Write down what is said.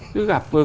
cứ gặp tôi